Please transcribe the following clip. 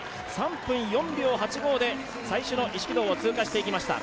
３分４秒８５で最初の１ｋｍを通過していきました。